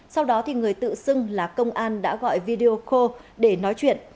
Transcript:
sau đó người tự xưng là công an đã gọi video call để nói chuyện